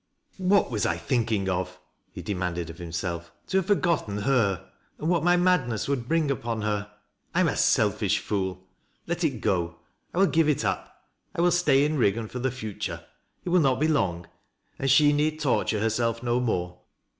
" What was I thinking of ?" he demanded of himself, " to have forgotten her, and what my madness would bring upon her ? I am a selfish fool ! Let it go. I will give it up. I will stay in Eiggan for the future — it will not be long, and she need torture herself no more.